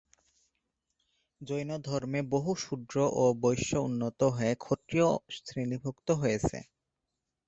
জৈনধর্মে বহু শূদ্র ও বৈশ্য উন্নত হয়ে ক্ষত্রিয় শ্রেণীভুক্ত হয়েছে।